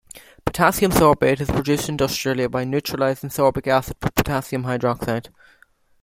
Potassium sorbate is produced industrially by neutralizing sorbic acid with potassium hydroxide.